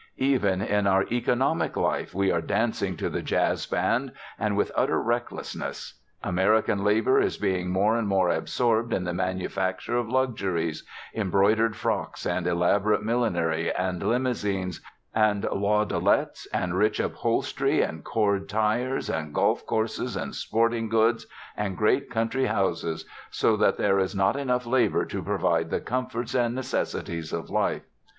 "Even in our economic life we are dancing to the jazz band and with utter recklessness. American labor is being more and more absorbed in the manufacture of luxuries embroidered frocks and elaborate millinery and limousines and landaulets and rich upholstery and cord tires and golf courses and sporting goods and great country houses so that there is not enough labor to provide the comforts and necessities of life.